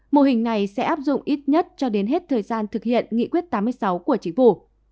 mô hình này sẽ áp dụng ít nhất cho đến hết thời gian thực hiện nghị quyết tám mươi sáu của chính phủ